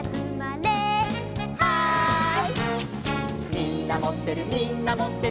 「みんなもってるみんなもってる」